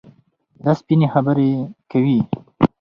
دا سپيني خبري کوي.